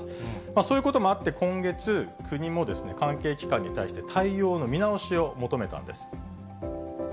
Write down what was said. そういうこともあって、今月、国も、関係機関に対して対応の見直しを求めたんです。